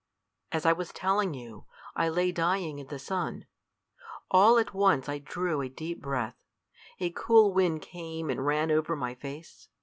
As I was telling you, I lay dying in the sun. All at once I drew a deep breath. A cool wind came and ran over my face.